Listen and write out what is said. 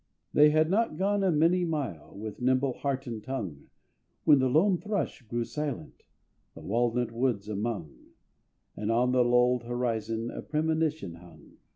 They had not gone a many mile With nimble heart and tongue, When the lone thrush grew silent The walnut woods among; And on the lulled horizon A premonition hung.